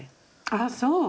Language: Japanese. ああそう。